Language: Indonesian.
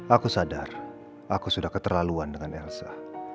aku sadar aku sudah keterlaluan dengan elsa